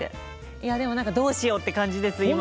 いやでも何かどうしようって感じです今。